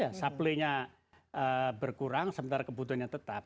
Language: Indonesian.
ya supply nya berkurang sementara kebutuhannya tetap